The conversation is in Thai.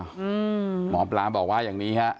หมอปลาบอกว่าอย่างนี้ฮะ